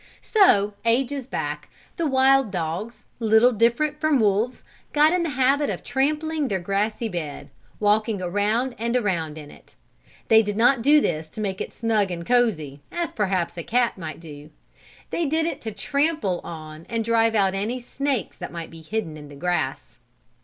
So, ages back, the wild dogs, little different from wolves, got in the habit of trampling their grassy bed, walking around and around in it. They did not do this to make it snug and cozy, as perhaps a cat might do. They did it to trample on and drive out any snakes that might be hidden in the grass.